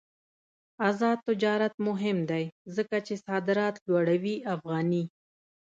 آزاد تجارت مهم دی ځکه چې صادرات لوړوي افغاني.